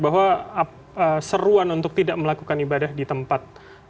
bahwa seruan untuk tidak melakukan ibadah di tempat